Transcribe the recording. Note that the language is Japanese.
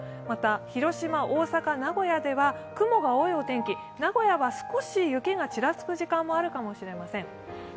また、広島、大阪、名古屋では雲の多いお天気、名古屋は少し雪がちらつく時間があるかもしれません。